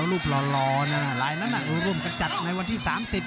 รูปหล่อลายนั้นร่วมกระจัดในวันที่๓๐